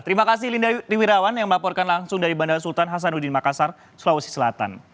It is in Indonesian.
terima kasih linda triwirawan yang melaporkan langsung dari bandara sultan hasanuddin makassar sulawesi selatan